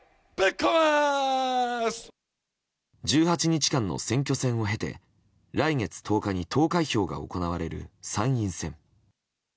１８日間の選挙戦を経て来月１０日に投開票が行われる参院選。